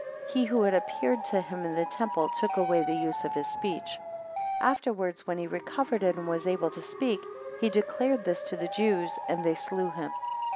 he who had appeared to him in the temple took away the use of his speech. Afterwards when he recovered it, and was able to speak, he declared this to the Jews; and they slew him.